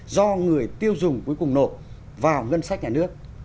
do người tiêu dùng cuối cùng nộp vào ngân sách nhà nước